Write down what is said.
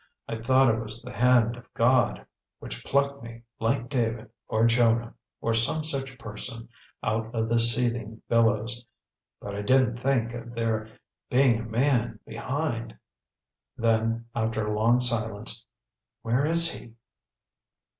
I thought it was the hand of God, which plucked me, like David, or Jonah, or some such person, out of the seething billows. But I didn't think of there being a man behind." Then, after a long silence, "Where is he?"